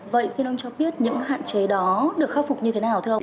vậy xin ông cho biết những hạn chế đó được khắc phục như thế nào thưa ông